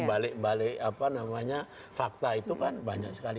balik balik apa namanya fakta itu kan banyak sekali